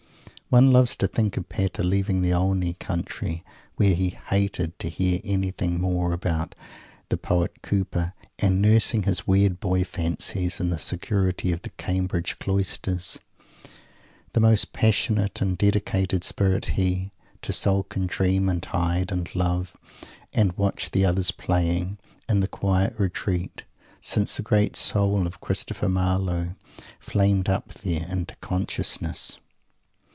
One loves to think of Pater leaving that Olney country, where he "hated" to hear anything more about "the Poet Cowper," and nursing his weird boy fancies in the security of the Canterbury cloisters. The most passionate and dedicated spirit he to sulk, and dream, and hide, and love, and "watch the others playing," in that quiet retreat since the great soul of Christopher Marlowe flamed up there into consciousness!